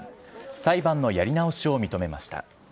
裁判のやり直しを認めました。